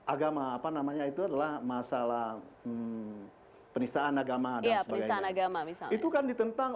agama apa namanya itu adalah masalah penistaan agama dan sebagainya agama itu kan ditentang